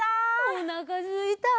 おなかすいた。